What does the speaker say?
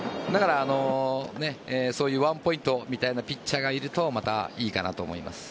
そういうワンポイントみたいなピッチャーがいるとまたいいかなと思います。